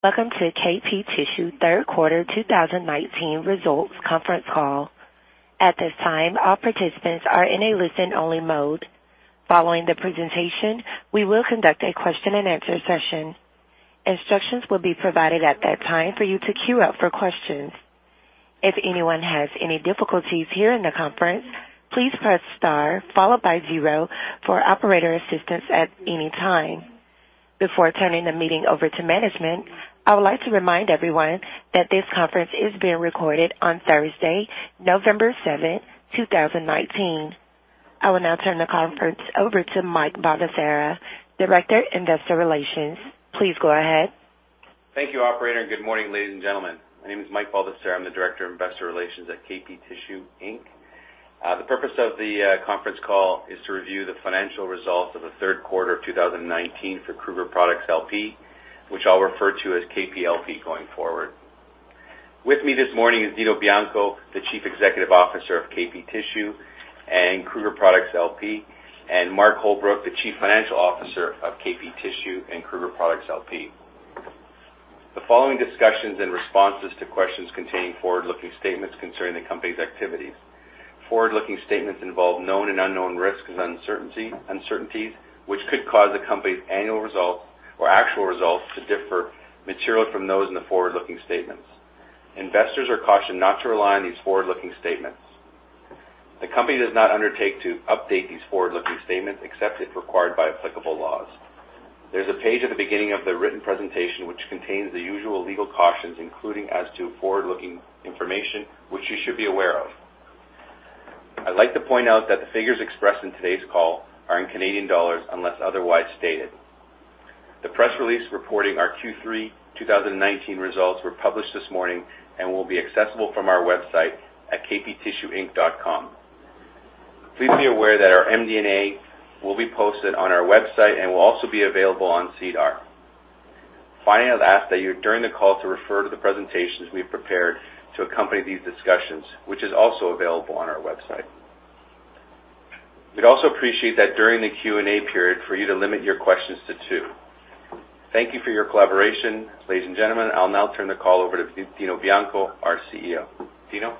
Welcome to KP Tissue Third Quarter 2019 Results Conference Call. At this time, all participants are in a listen-only mode. Following the presentation, we will conduct a question-and-answer session. Instructions will be provided at that time for you to queue up for questions. If anyone has any difficulties hearing the conference, please press star followed by zero for operator assistance at any time. Before turning the meeting over to management, I would like to remind everyone that this conference is being recorded on Thursday, November 7, 2019. I will now turn the conference over to Mike Baldesarra, Director, Investor Relations. Please go ahead. Thank you, operator, and good morning, ladies and gentlemen. My name is Mike Baldesarra. I'm the Director of Investor Relations at KP Tissue Inc. The purpose of the conference call is to review the financial results of the third quarter of 2019 for Kruger Products LP, which I'll refer to as KPLP going forward. With me this morning is Dino Bianco, the Chief Executive Officer of KP Tissue and Kruger Products LP, and Mark Holbrook, the Chief Financial Officer of KP Tissue and Kruger Products LP. The following discussions and responses to questions containing forward-looking statements concerning the company's activities. Forward-looking statements involve known and unknown risks and uncertainty, uncertainties, which could cause the company's annual results or actual results to differ materially from those in the forward-looking statements. Investors are cautioned not to rely on these forward-looking statements. The company does not undertake to update these forward-looking statements, except if required by applicable laws. There's a page at the beginning of the written presentation, which contains the usual legal cautions, including as to forward-looking information, which you should be aware of. I'd like to point out that the figures expressed in today's call are in Canadian dollars, unless otherwise stated. The press release reporting our Q3 2019 results were published this morning and will be accessible from our website at kptissueinc.com. Please be aware that our MD&A will be posted on our website and will also be available on SEDAR. Finally, I'd ask that you, during the call, to refer to the presentations we've prepared to accompany these discussions, which is also available on our website. We'd also appreciate that during the Q&A period for you to limit your questions to two. Thank you for your collaboration. Ladies and gentlemen, I'll now turn the call over to Dino Bianco, our CEO. Dino?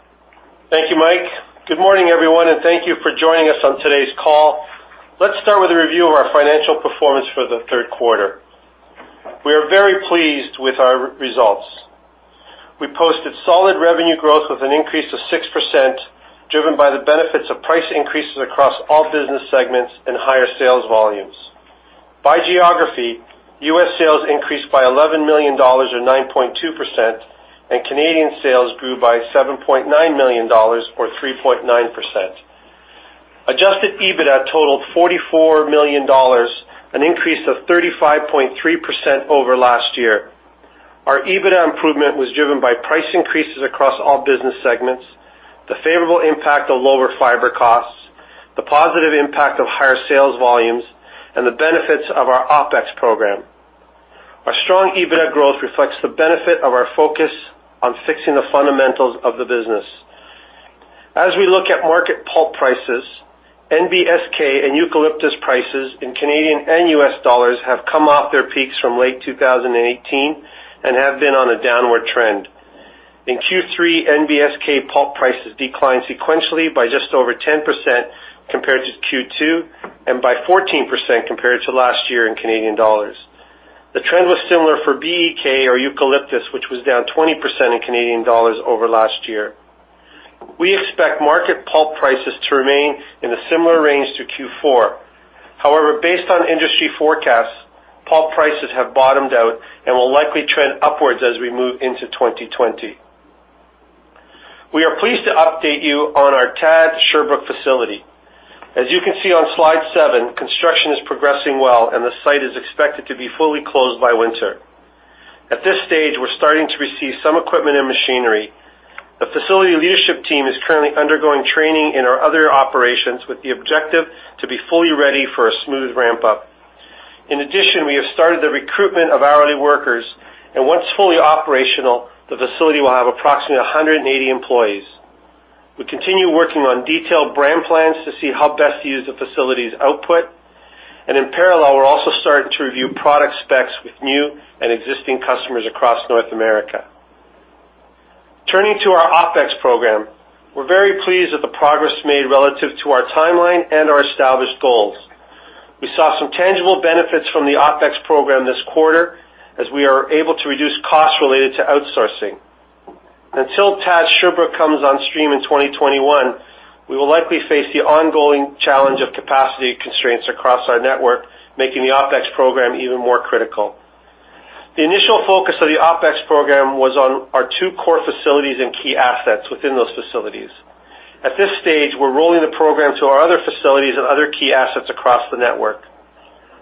Thank you, Mike. Good morning, everyone, and thank you for joining us on today's call. Let's start with a review of our financial performance for the third quarter. We are very pleased with our results. We posted solid revenue growth with an increase of 6%, driven by the benefits of price increases across all business segments and higher sales volumes. By geography, US sales increased by $11 million or 9.2%, and Canadian sales grew by 7.9 million dollars or 3.9%. Adjusted EBITDA totaled 44 million dollars, an increase of 35.3% over last year. Our EBITDA improvement was driven by price increases across all business segments, the favorable impact of lower fiber costs, the positive impact of higher sales volumes, and the benefits of our OpEx program. Our strong EBITDA growth reflects the benefit of our focus on fixing the fundamentals of the business. As we look at market pulp prices, NBSK and eucalyptus prices in Canadian and US dollars have come off their peaks from late 2018 and have been on a downward trend. In Q3, NBSK pulp prices declined sequentially by just over 10% compared to Q2 and by 14% compared to last year in Canadian dollars. The trend was similar for BEK or eucalyptus, which was down 20% in Canadian dollars over last year. We expect market pulp prices to remain in a similar range to Q4. However, based on industry forecasts, pulp prices have bottomed out and will likely trend upwards as we move into 2020. We are pleased to update you on our TAD Sherbrooke facility. As you can see on slide seven, construction is progressing well, and the site is expected to be fully closed by winter. At this stage, we're starting to receive some equipment and machinery. The facility leadership team is currently undergoing training in our other operations with the objective to be fully ready for a smooth ramp-up. In addition, we have started the recruitment of hourly workers, and once fully operational, the facility will have approximately 180 employees. We continue working on detailed brand plans to see how best to use the facility's output, and in parallel, we're also starting to review product specs with new and existing customers across North America. Turning to our OpEx program, we're very pleased with the progress made relative to our timeline and our established goals. We saw some tangible benefits from the OpEx program this quarter as we are able to reduce costs related to outsourcing. Until TAD Sherbrooke comes on stream in 2021, we will likely face the ongoing challenge of capacity constraints across our network, making the OpEx program even more critical. The initial focus of the OpEx program was on our two core facilities and key assets within those facilities. At this stage, we're rolling the program to our other facilities and other key assets across the network.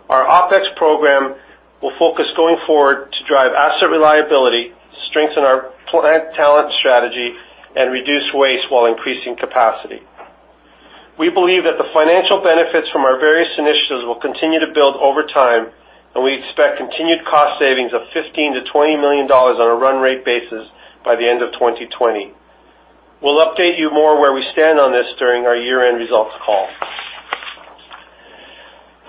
Our OpEx program will focus going forward to drive asset reliability, strengthen our plant talent strategy, and reduce waste while increasing capacity. We believe that the financial benefits from our various initiatives will continue to build over time, and we expect continued cost savings of 15 million-20 million dollars on a run rate basis by the end of 2020. We'll update you more where we stand on this during our year-end results call....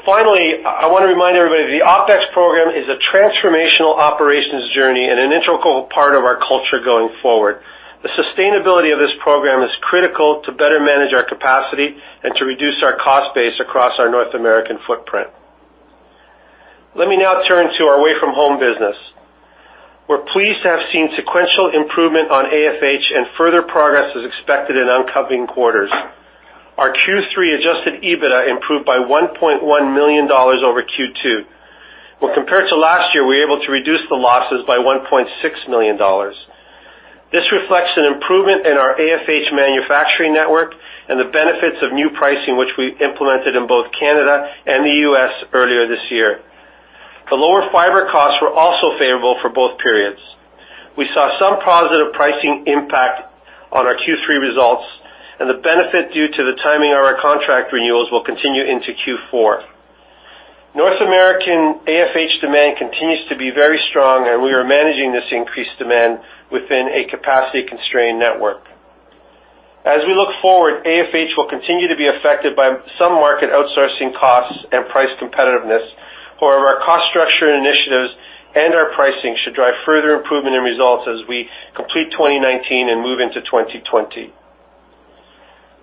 Finally, I want to remind everybody, the OpEx program is a transformational operations journey and an integral part of our culture going forward. The sustainability of this program is critical to better manage our capacity and to reduce our cost base across our North American footprint. Let me now turn Away From Home business. we're pleased to have seen sequential improvement on AFH, and further progress is expected in upcoming quarters. Our Q3 adjusted EBITDA improved by 1.1 million dollars over Q2. When compared to last year, we were able to reduce the losses by 1.6 million dollars. This reflects an improvement in our AFH manufacturing network and the benefits of new pricing, which we implemented in both Canada and the US earlier this year. The lower fiber costs were also favorable for both periods. We saw some positive pricing impact on our Q3 results, and the benefit due to the timing of our contract renewals will continue into Q4. North American AFH demand continues to be very strong, and we are managing this increased demand within a capacity-constrained network. As we look forward, AFH will continue to be affected by some market outsourcing costs and price competitiveness. However, our cost structure and initiatives and our pricing should drive further improvement in results as we complete 2019 and move into 2020.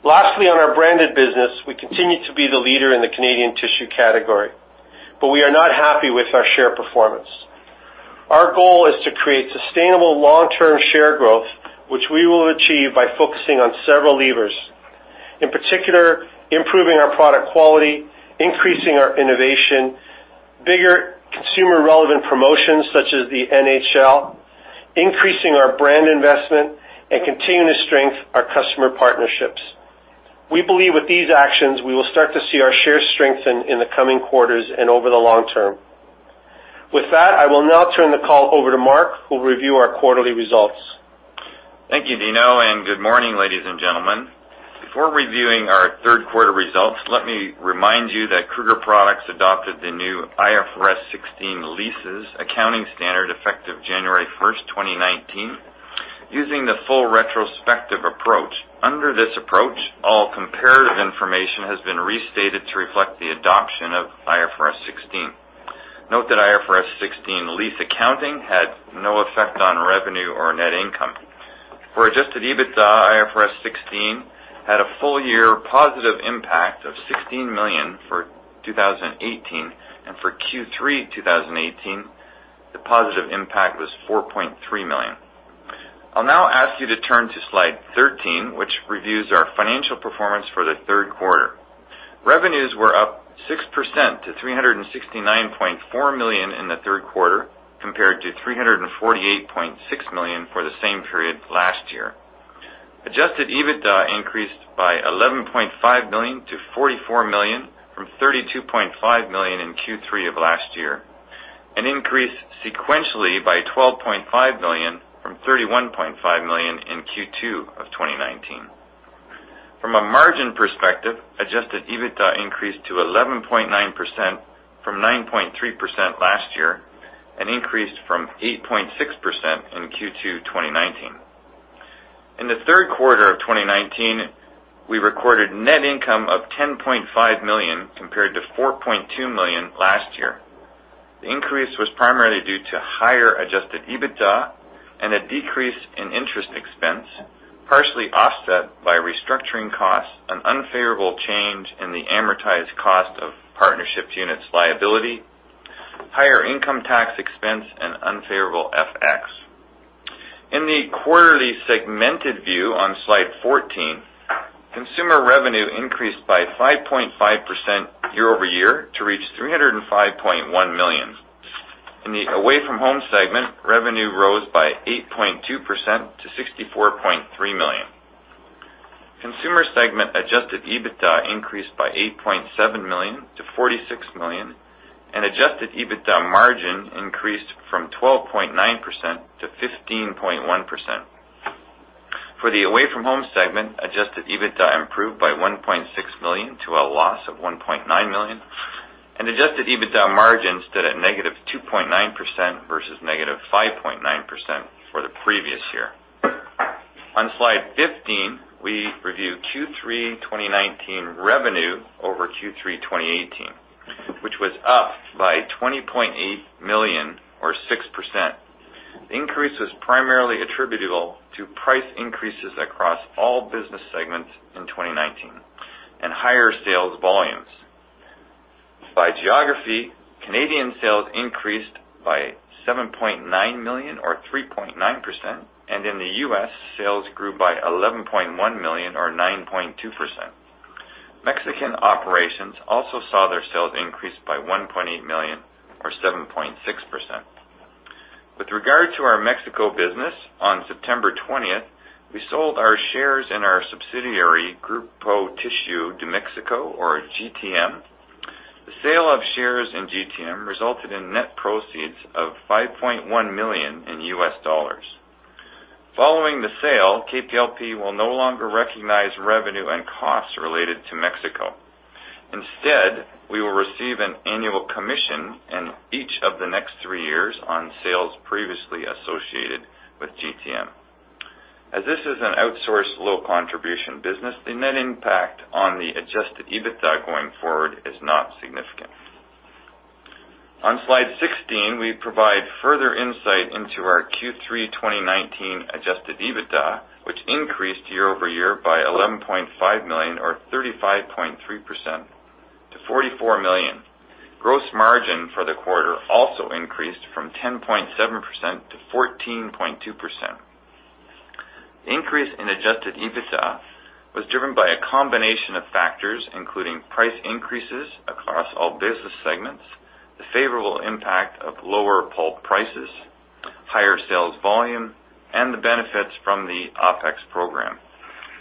Lastly, on our branded business, we continue to be the leader in the Canadian tissue category, but we are not happy with our share performance. Our goal is to create sustainable long-term share growth, which we will achieve by focusing on several levers. In particular, improving our product quality, increasing our innovation, bigger consumer-relevant promotions, such as the NHL, increasing our brand investment, and continuing to strengthen our customer partnerships. We believe with these actions, we will start to see our share strengthen in the coming quarters and over the long term. With that, I will now turn the call over to Mark, who will review our quarterly results. Thank you, Dino, and good morning, ladies and gentlemen. Before reviewing our third quarter results, let me remind you that Kruger Products adopted the new IFRS 16 lease accounting standard effective January 1, 2019, using the full retrospective approach. Under this approach, all comparative information has been restated to reflect the adoption of IFRS 16. Note that IFRS 16 lease accounting had no effect on revenue or net income. For adjusted EBITDA, IFRS 16 had a full-year positive impact of 16 million for 2018, and for Q3 2018, the positive impact was 4.3 million. I'll now ask you to turn to slide 13, which reviews our financial performance for the third quarter. Revenues were up 6% to 369.4 million in the third quarter, compared to 348.6 million for the same period last year. Adjusted EBITDA increased by 11.5 million to 44 million, from 32.5 million in Q3 of last year, an increase sequentially by 12.5 million, from 31.5 million in Q2 of 2019. From a margin perspective, adjusted EBITDA increased to 11.9% from 9.3% last year and increased from 8.6% in Q2, 2019. In the third quarter of 2019, we recorded net income of 10.5 million, compared to 4.2 million last year. The increase was primarily due to higher adjusted EBITDA and a decrease in interest expense, partially offset by restructuring costs, an unfavorable change in the amortized cost of partnership units liability, higher income tax expense, and unfavorable FX. In the quarterly segmented view on slide 14, consumer revenue increased by 5.5% year-over-year to reach 305.1 million. Away From Home segment, revenue rose by 8.2% to 64.3 million. Consumer segment adjusted EBITDA increased by 8.7 million to 46 million, and adjusted EBITDA margin increased from 12.9% to 15.1%. Away From Home segment, adjusted EBITDA improved by 1.6 million to a loss of 1.9 million, and adjusted EBITDA margin stood at -2.9% versus -5.9% for the previous year. On Slide 15, we review Q3 2019 revenue over Q3 2018, which was up by 20.8 million or 6%. The increase was primarily attributable to price increases across all business segments in 2019 and higher sales volumes. By geography, Canadian sales increased by 7.9 million or 3.9%, and in the US, sales grew by 11.1 million or 9.2%. Mexican operations also saw their sales increase by 1.8 million or 7.6%. With regard to our Mexico business, on September 20, we sold our shares in our subsidiary, Grupo Tissue de Mexico or GTM. The sale of shares in GTM resulted in net proceeds of $5.1 million. Following the sale, KPLP will no longer recognize revenue and costs related to Mexico. Instead, we will receive an annual commission in each of the next three years on sales previously associated with GTM.... As this is an outsourced low contribution business, the net impact on the adjusted EBITDA going forward is not significant. On slide 16, we provide further insight into our Q3 2019 adjusted EBITDA, which increased year-over-year by 11.5 million or 35.3% to 44 million. Gross margin for the quarter also increased from 10.7% to 14.2%. The increase in adjusted EBITDA was driven by a combination of factors, including price increases across all business segments, the favorable impact of lower pulp prices, higher sales volume, and the benefits from the OpEx program.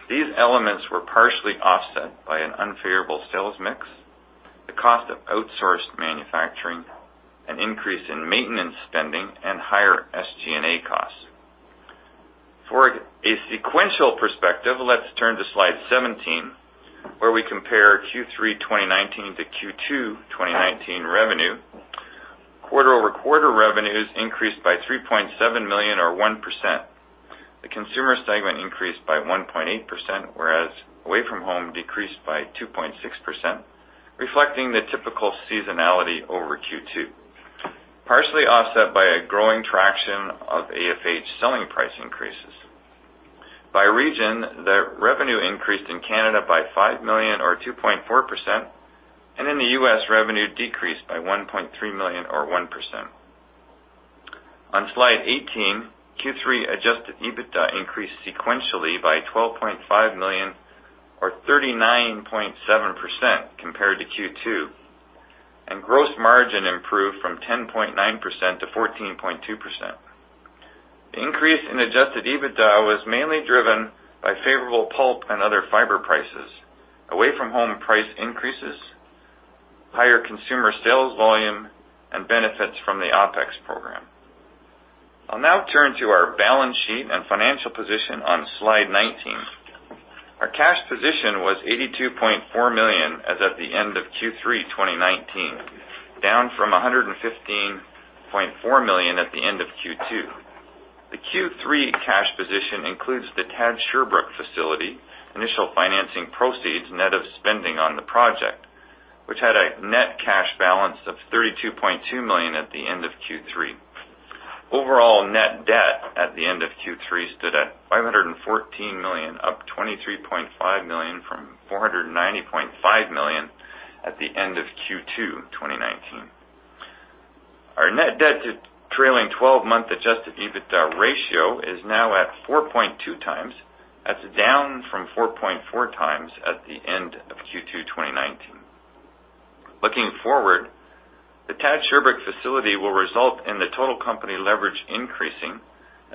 These elements were partially offset by an unfavorable sales mix, the cost of outsourced manufacturing, an increase in maintenance spending, and higher SG&A costs. For a sequential perspective, let's turn to slide 17, where we compare Q3 2019 to Q2 2019 revenue. Quarter-over-quarter revenues increased by 3.7 million or 1%. The Consumer segment increased by 1.8%, whereas Away From Home decreased by 2.6%, reflecting the typical seasonality over Q2, partially offset by a growing traction of AFH selling price increases. By region, the revenue increased in Canada by 5 million or 2.4%, and in the US, revenue decreased by $1.3 million or 1%. On slide 18, Q3 Adjusted EBITDA increased sequentially by 12.5 million or 39.7% compared to Q2, and gross margin improved from 10.9% to 14.2%. The increase in Adjusted EBITDA was mainly driven by favorable pulp and other Away From Home price increases, higher consumer sales volume, and benefits from the OpEx program. I'll now turn to our balance sheet and financial position on slide 19. Our cash position was 82.4 million as of the end of Q3 2019, down from 115.4 million at the end of Q2. The Q3 cash position includes the TAD Sherbrooke facility, initial financing proceeds net of spending on the project, which had a net cash balance of 32.2 million at the end of Q3. Overall, net debt at the end of Q3 stood at 514 million, up 23.5 million from 490.5 million at the end of Q2 2019. Our net debt to trailing twelve-month Adjusted EBITDA ratio is now at 4.2 times. That's down from 4.4 times at the end of Q2 2019. Looking forward, the TAD Sherbrooke facility will result in the total company leverage increasing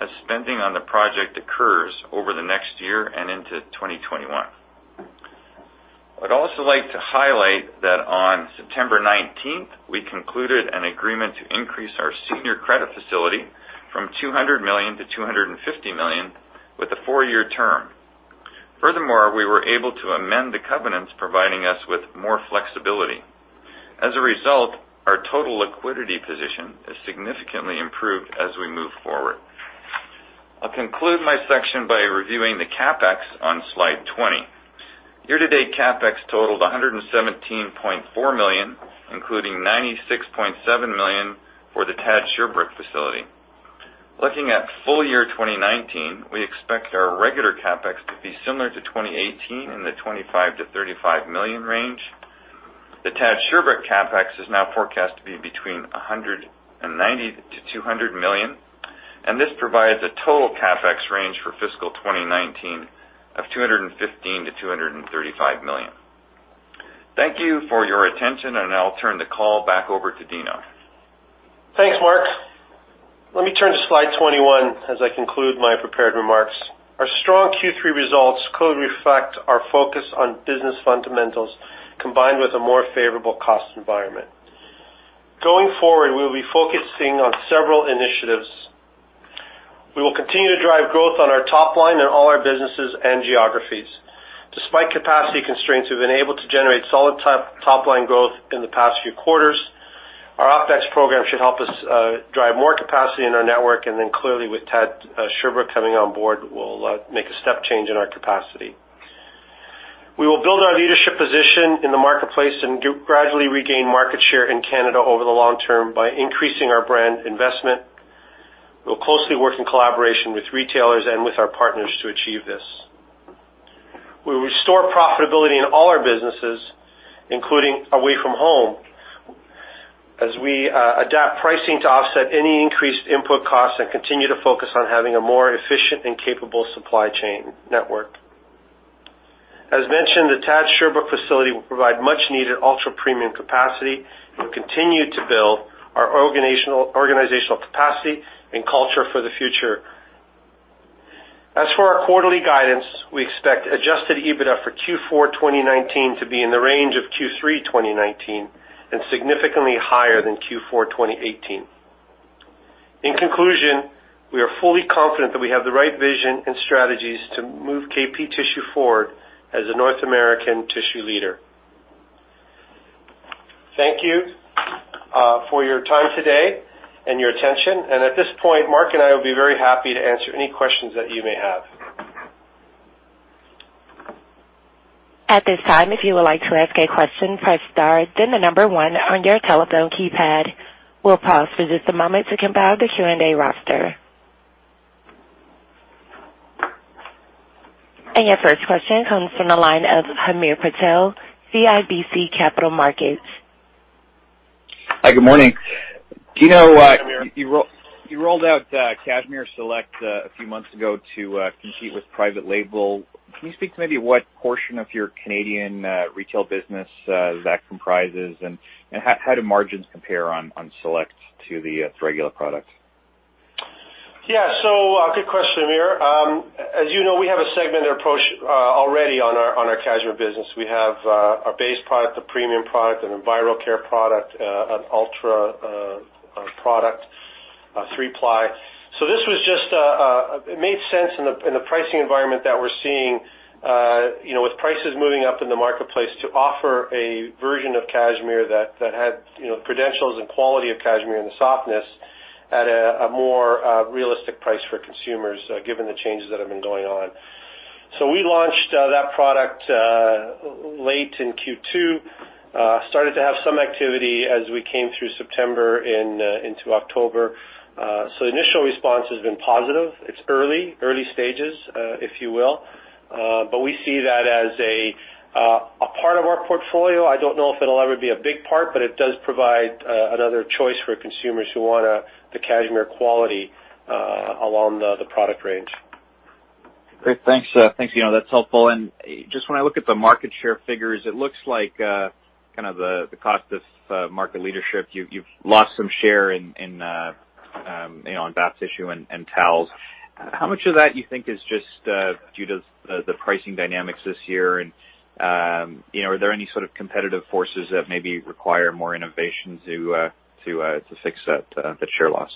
as spending on the project occurs over the next year and into 2021. I'd also like to highlight that on September 19, we concluded an agreement to increase our senior credit facility from 200 million to 250 million, with a four-year term. Furthermore, we were able to amend the covenants providing us with more flexibility. As a result, our total liquidity position is significantly improved as we move forward. I'll conclude my section by reviewing the CapEx on slide 20. Year-to-date CapEx totaled 117.4 million, including 96.7 million for the TAD Sherbrooke facility. Looking at full year 2019, we expect our regular CapEx to be similar to 2018 in the 25 million to 35 million range. The TAD Sherbrooke CapEx is now forecast to be between 190 million-200 million, and this provides a total CapEx range for fiscal 2019 of 215 million-235 million. Thank you for your attention, and I'll turn the call back over to Dino. Thanks, Mark. Let me turn to slide 21 as I conclude my prepared remarks. Our strong Q3 results clearly reflect our focus on business fundamentals, combined with a more favorable cost environment. Going forward, we will be focusing on several initiatives. We will continue to drive growth on our top line in all our businesses and geographies. Despite capacity constraints, we've been able to generate solid top-line growth in the past few quarters. Our OpEx program should help us drive more capacity in our network, and then clearly, with TAD Sherbrooke coming on board, we'll make a step change in our capacity. We will build our leadership position in the marketplace and gradually regain market share in Canada over the long term by increasing our brand investment. We'll closely work in collaboration with retailers and with our partners to achieve this. We will restore profitability in all our Away From Home, as we adapt pricing to offset any increased input costs and continue to focus on having a more efficient and capable supply chain network. As mentioned, the TAD Sherbrooke facility will provide much needed ultra-premium capacity and continue to build our organizational capacity and culture for the future. As for our quarterly guidance, we expect Adjusted EBITDA for Q4 2019 to be in the range of Q3 2019, and significantly higher than Q4 2018. In conclusion, we are fully confident that we have the right vision and strategies to move KP Tissue forward as a North American tissue leader. Thank you for your time today and your attention. At this point, Mark and I will be very happy to answer any questions that you may have. At this time, if you would like to ask a question, press star, then the number one on your telephone keypad. We'll pause for just a moment to compile the Q&A roster. Your first question comes from the line of Hamir Patel, CIBC Capital Markets. Hi, good morning. You know, you rolled out Cashmere Select a few months ago to compete with private label. Can you speak to maybe what portion of your Canadian retail business that comprises? And how do margins compare on Select to the regular product? Yeah, so, good question, Hamir. As you know, we have a segmented approach already on our Cashmere business. We have our base product, the premium product, and EnviroCare product, an ultra product, a three-ply. So this was just it made sense in the pricing environment that we're seeing, you know, with prices moving up in the marketplace to offer a version of Cashmere that had, you know, credentials and quality of Cashmere and the softness at a more realistic price for consumers, given the changes that have been going on. So we launched that product late in Q2. Started to have some activity as we came through September and into October. So initial response has been positive. It's early, early stages, if you will. But we see that as a part of our portfolio. I don't know if it'll ever be a big part, but it does provide another choice for consumers who want the Cashmere quality along the product range. Great. Thanks, thanks, Dino, that's helpful. And just when I look at the market share figures, it looks like, kind of the, the cost of, market leadership, you've, you've lost some share in, in, you know, on bath tissue and, and towels. How much of that you think is just, due to the, the pricing dynamics this year? And, you know, are there any sort of competitive forces that maybe require more innovation to, to, to fix that, that share loss?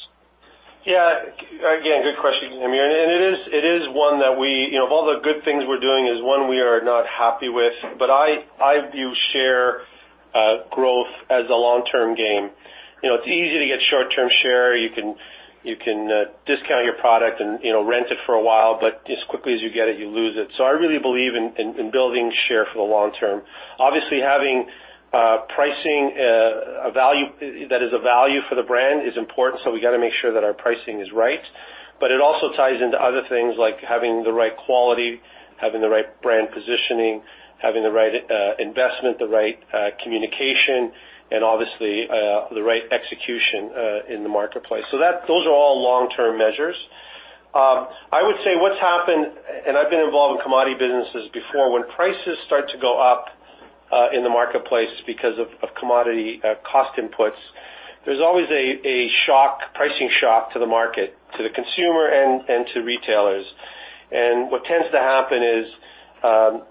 Yeah. Again, good question, Hamir, and it is one that we... You know, of all the good things we're doing is one we are not happy with. But I view share growth as a long-term game. You know, it's easy to get short-term share. You can discount your product and, you know, rent it for a while, but as quickly as you get it, you lose it. So I really believe in building share for the long term. Obviously, having pricing, a value—that is a value for the brand—is important, so we got to make sure that our pricing is right. But it also ties into other things like having the right quality, having the right brand positioning, having the right investment, the right communication, and obviously the right execution in the marketplace. So that—those are all long-term measures. I would say what's happened, and I've been involved in commodity businesses before, when prices start to go up in the marketplace because of commodity cost inputs, there's always a shock, pricing shock to the market, to the consumer and to retailers. And what tends to happen is,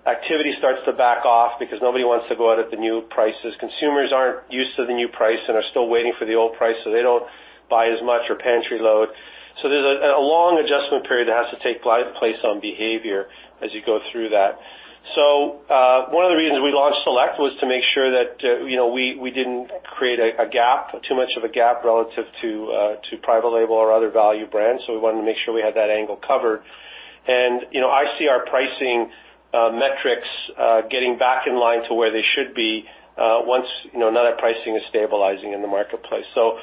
activity starts to back off because nobody wants to go out at the new prices. Consumers aren't used to the new price and are still waiting for the old price, so they don't buy as much or pantry load. So there's a long adjustment period that has to take place on behavior as you go through that. So, one of the reasons we launched Select was to make sure that, you know, we, we didn't create a, a gap, too much of a gap relative to, to private label or other value brands. So we wanted to make sure we had that angle covered. And, you know, I see our pricing, metrics, getting back in line to where they should be, once, you know, now that pricing is stabilizing in the marketplace. So,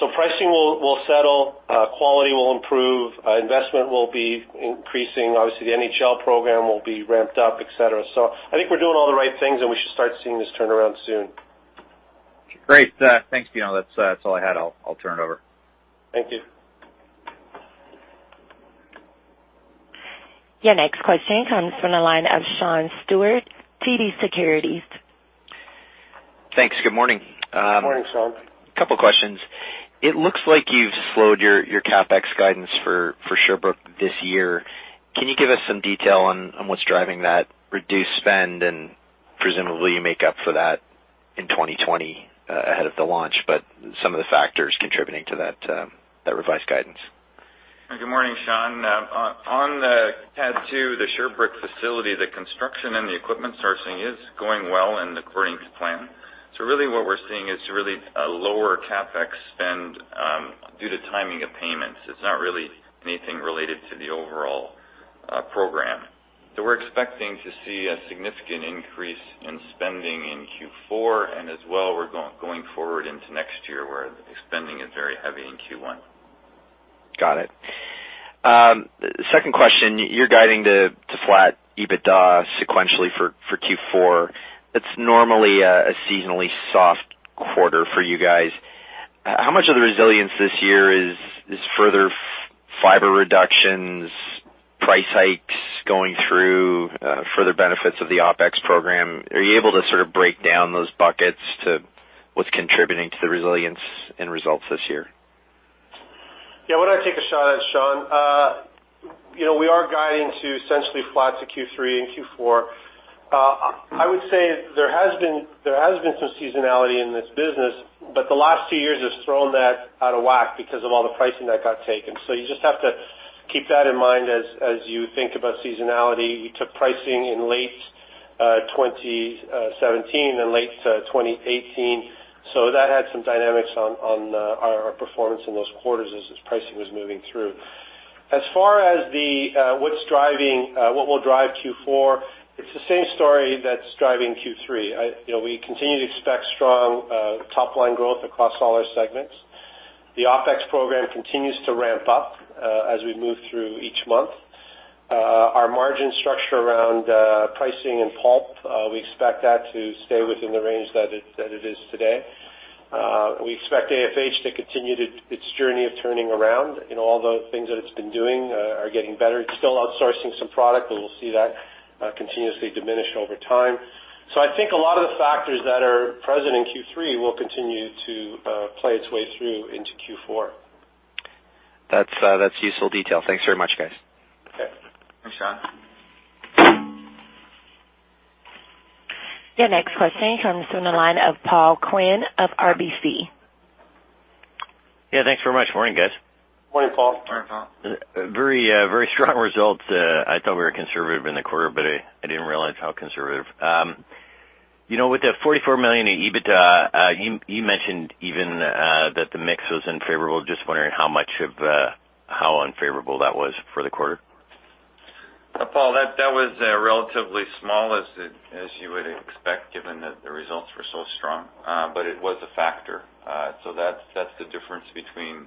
so pricing will, will settle, quality will improve, investment will be increasing. Obviously, the NHL program will be ramped up, et cetera. So I think we're doing all the right things, and we should start seeing this turnaround soon. Great. Thanks, Dino. That's all I had. I'll turn it over. Thank you. Your next question comes from the line of Sean Steuart, TD Securities. Thanks. Good morning. Good morning, Sean. A couple questions. It looks like you've slowed your CapEx guidance for Sherbrooke this year. Can you give us some detail on what's driving that reduced spend, and presumably you make up for that in 2020 ahead of the launch, but some of the factors contributing to that revised guidance? Good morning, Sean. On the TAD Two, the Sherbrooke facility, the construction and the equipment sourcing is going well and according to plan. So really what we're seeing is really a lower CapEx spend due to timing of payments. It's not really anything related to the overall program. So we're expecting to see a significant increase in spending in Q4, and as well, we're going forward into next year, where the spending is very heavy in Q1. Got it. Second question. You're guiding to flat EBITDA sequentially for Q4. That's normally a seasonally soft quarter for you guys. How much of the resilience this year is further fiber reductions, price hikes going through, further benefits of the OpEx program? Are you able to sort of break down those buckets to what's contributing to the resilience in results this year? Yeah, why don't I take a shot at it, Sean? You know, we are guiding to essentially flat to Q3 and Q4. I would say there has been, there has been some seasonality in this business, but the last two years has thrown that out of whack because of all the pricing that got taken. So you just have to keep that in mind as, as you think about seasonality. We took pricing in late 2017 and late 2018. So that had some dynamics on, on, our, our performance in those quarters as, as pricing was moving through. As far as the, what's driving, what will drive Q4, it's the same story that's driving Q3. You know, we continue to expect strong top line growth across all our segments. The OpEx program continues to ramp up as we move through each month. Our margin structure around pricing and pulp, we expect that to stay within the range that it is today. We expect AFH to continue to its journey of turning around, and all the things that it's been doing are getting better. It's still outsourcing some product, but we'll see that continuously diminish over time. So I think a lot of the factors that are present in Q3 will continue to play its way through into Q4. That's, that's useful detail. Thanks very much, guys. Okay. Thanks, Sean. Your next question comes from the line of Paul Quinn of RBC. Yeah, thanks very much. Morning, guys. Morning, Paul. Morning, Paul. Very, very strong results. I thought we were conservative in the quarter, but I, I didn't realize how conservative. You know, with the 44 million EBITDA, you, you mentioned even, that the mix was unfavorable. Just wondering how much of, how unfavorable that was for the quarter? Paul, that was relatively small, as you would expect, given that the results were so strong. But it was a factor. So that's the difference between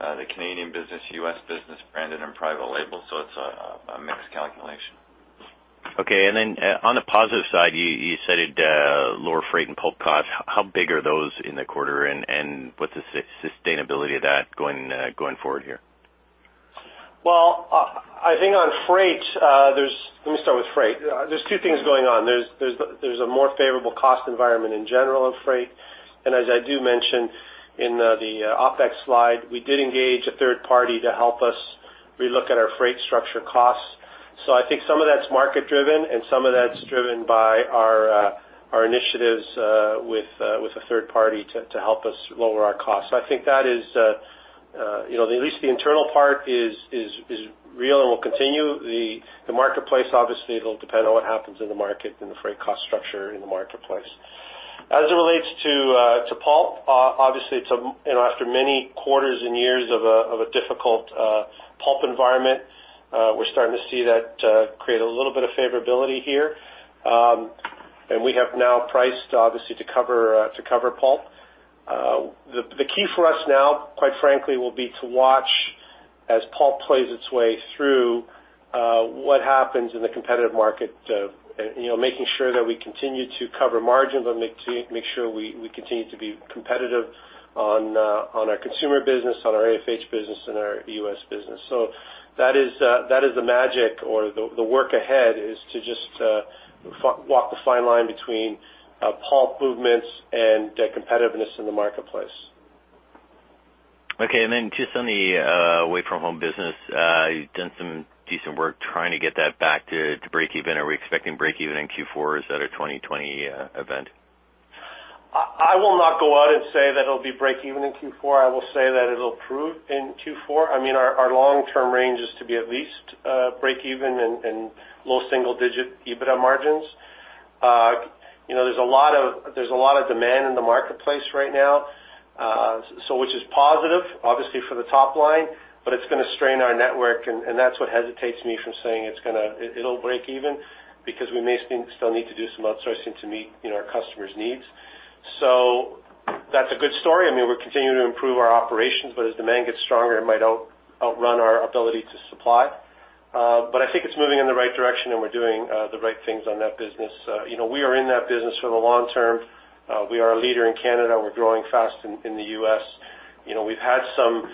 the Canadian business, U.S. business, branded and private label. So it's a mixed calculation. Okay. And then, on the positive side, you, you cited lower freight and pulp costs. How big are those in the quarter, and what's the sustainability of that going forward here? Well, I think on freight, there's... Let me start with freight. There's a more favorable cost environment in general of freight. And as I do mention in the OpEx slide, we did engage a third party to help us relook at our freight structure costs. So I think some of that's market driven and some of that's driven by our initiatives with a third party to help us lower our costs. So I think that is, you know, at least the internal part is real and will continue. The marketplace, obviously, it'll depend on what happens in the market and the freight cost structure in the marketplace. As it relates to pulp, obviously, it's, you know, after many quarters and years of a difficult pulp environment, we're starting to see that create a little bit of favorability here. And we have now priced, obviously, to cover pulp. The key for us now, quite frankly, will be to watch, as pulp plays its way through, what happens in the competitive market, you know, making sure that we continue to cover margins and make sure we continue to be competitive on our consumer business, on our AFH business, and our US business. So that is the magic or the work ahead is to just walk the fine line between pulp movements and the competitiveness in the marketplace. Okay. And then just Away From Home business, you've done some decent work trying to get that back to breakeven. Are we expecting breakeven in Q4, or is that a 2020 event? I will not go out and say that it'll be breakeven in Q4. I will say that it'll improve in Q4. I mean, our long-term range is to be at least breakeven and low single digit EBITDA margins. You know, there's a lot of demand in the marketplace right now, so which is positive, obviously, for the top line, but it's gonna strain our network, and that's what hesitates me from saying it's gonna... It'll breakeven because we may still need to do some outsourcing to meet, you know, our customers' needs. So that's a good story. I mean, we're continuing to improve our operations, but as demand gets stronger, it might outrun our ability to supply. But I think it's moving in the right direction, and we're doing the right things on that business. You know, we are in that business for the long term. We are a leader in Canada. We're growing fast in the U.S. You know, we've had some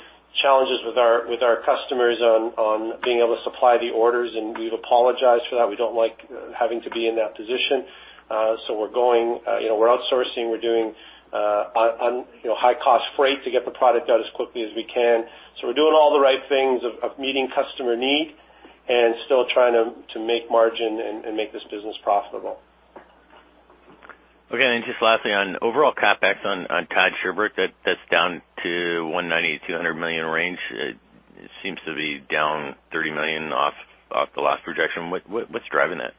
challenges with our customers on being able to supply the orders, and we've apologized for that. We don't like having to be in that position. So we're going, you know, we're outsourcing, we're doing on high cost freight to get the product out as quickly as we can. So we're doing all the right things of meeting customer need and still trying to make margin and make this business profitable. Okay. And then just lastly, on overall CapEx on TAD Sherbrooke, that's down to 190 million-200 million range. It seems to be down 30 million off the last projection. What's driving that?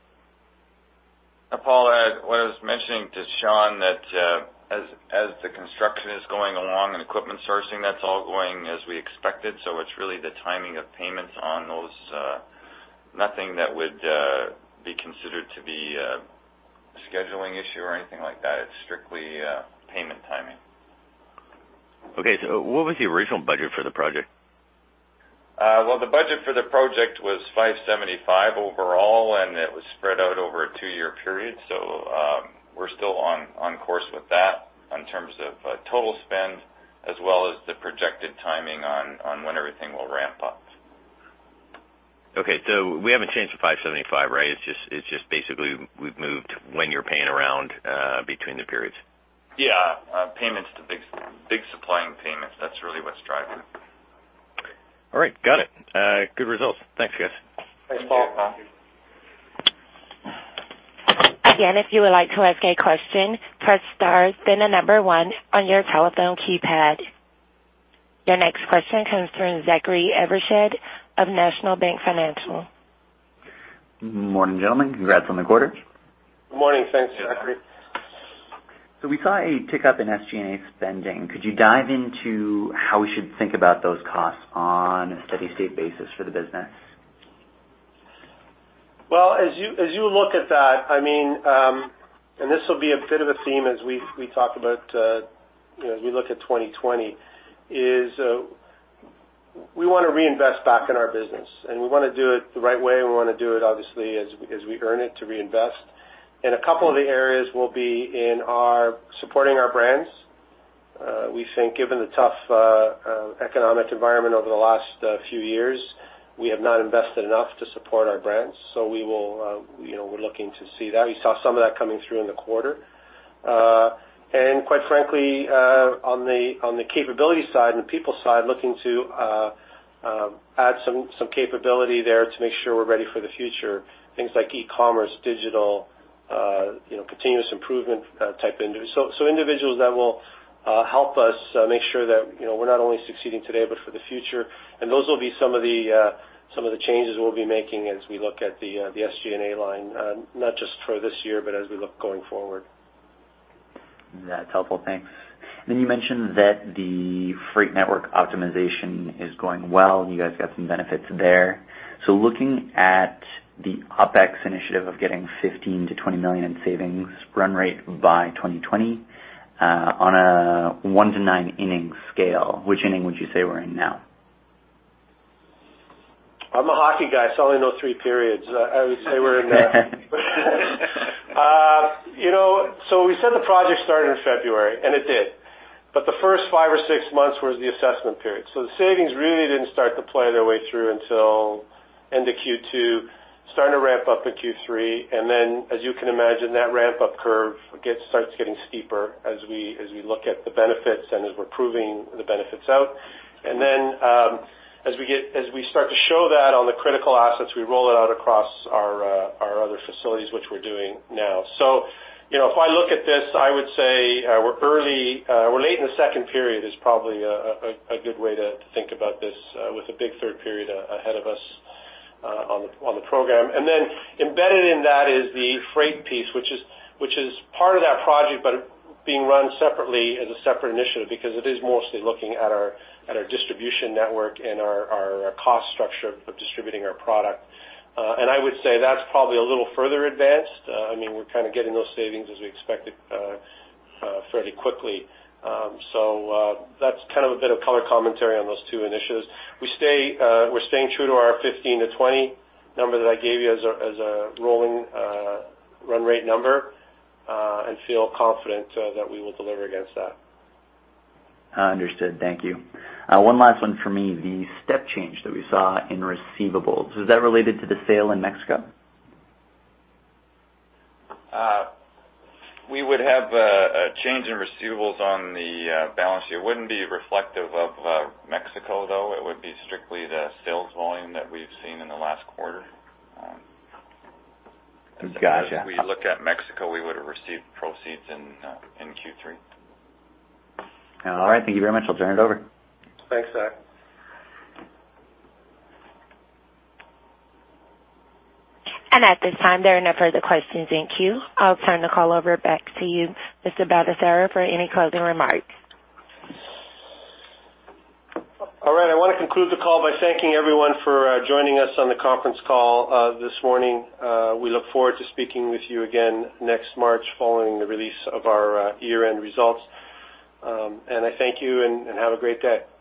Paul, what I was mentioning to Sean, that as the construction is going along and equipment sourcing, that's all going as we expected. So it's really the timing of payments on those, nothing that would be considered to be a scheduling issue or anything like that. It's strictly payment timing. Okay. What was the original budget for the project? Well, the budget for the project was 575 overall, and it was spread out over a two-year period. So, we're still on course with that in terms of total spend, as well as the projected timing on when everything will ramp up. Okay, so we haven't changed the 575, right? It's just, it's just basically we've moved when you're paying around between the periods. Yeah, payments, the big, big supplying payments, that's really what's driving it. All right, got it. Good results. Thanks, guys. Thanks, Paul. Again, if you would like to ask a question, press star, then 1 on your telephone keypad. Your next question comes from Zachary Evershed of National Bank Financial. Good morning, gentlemen. Congrats on the quarter. Good morning. Thanks, Zachary. We saw a tick up in SG&A spending. Could you dive into how we should think about those costs on a steady-state basis for the business? Well, as you look at that, I mean, and this will be a bit of a theme as we talk about, you know, we look at 2020, we want to reinvest back in our business, and we want to do it the right way. We want to do it, obviously, as we earn it, to reinvest. And a couple of the areas will be in supporting our brands. We think given the tough economic environment over the last few years, we have not invested enough to support our brands, so we will, you know, we're looking to see that. You saw some of that coming through in the quarter. And quite frankly, on the capability side and the people side, looking to add some capability there to make sure we're ready for the future. Things like e-commerce, digital, you know, continuous improvement, type industry. So individuals that will help us make sure that, you know, we're not only succeeding today, but for the future. And those will be some of the changes we'll be making as we look at the SG&A line, not just for this year, but as we look going forward. That's helpful. Thanks. Then you mentioned that the freight network optimization is going well, and you guys got some benefits there. So looking at the OpEx initiative of getting 15 million-20 million in savings run rate by 2020, on a 1 to 9 inning scale, which inning would you say we're in now? I'm a hockey guy, so only know three periods. I would say we're in, you know, so we said the project started in February, and it did, but the first five or six months was the assessment period. So the savings really didn't start to play their way through until end of Q2, starting to ramp up in Q3. And then, as you can imagine, that ramp-up curve starts getting steeper as we look at the benefits and as we're proving the benefits out. And then, as we start to show that on the critical assets, we roll it out across our other facilities, which we're doing now. So, you know, if I look at this, I would say, we're early, we're late in the second period is probably a good way to think about this, with a big third period ahead of us, on the program. And then embedded in that is the freight piece, which is part of that project, but being run separately as a separate initiative because it is mostly looking at our distribution network and our cost structure of distributing our product. And I would say that's probably a little further advanced. I mean, we're kind of getting those savings as we expected, fairly quickly. So, that's kind of a bit of color commentary on those two initiatives. We're staying true to our 15-20 number that I gave you as a rolling run rate number, and feel confident that we will deliver against that. Understood. Thank you. One last one for me. The step change that we saw in receivables, is that related to the sale in Mexico? We would have a change in receivables on the balance sheet. It wouldn't be reflective of Mexico, though. It would be strictly the sales volume that we've seen in the last quarter. Gotcha. If we looked at Mexico, we would have received proceeds in Q3. All right. Thank you very much. I'll turn it over. Thanks, Zach. At this time, there are no further questions. Thank you. I'll turn the call over back to you, Mr. Baldesarra, for any closing remarks. All right. I want to conclude the call by thanking everyone for joining us on the conference call this morning. We look forward to speaking with you again next March, following the release of our year-end results. And I thank you and have a great day. Thank you.